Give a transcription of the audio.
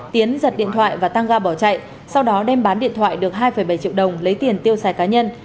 tiến giật điện thoại và tăng ga bỏ chạy sau đó đem bán điện thoại được hai bảy triệu đồng lấy tiền tiêu xài cá nhân